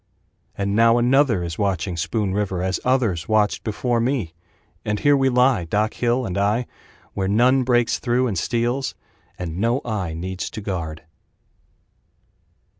And now another is watching Spoon River As others watched before me. And here we lie, Doc Hill and I Where none breaks through and steals, And no eye needs to guard.